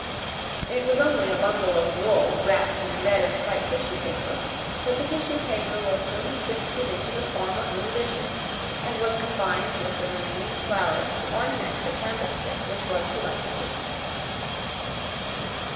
It was only a bundle of wool wrapped in red and white tissue paper, but the tissue paper was soon twisted into the form of little dishes, and was combined with the remaining flowers to ornament the candlestick which was to light the feast.